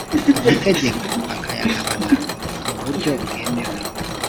amategeko bakayagabana mu buryo bwemewe